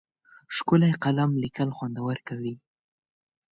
ښکلی قلم لیکل خوندور کوي.